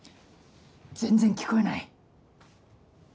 全然聞こえない。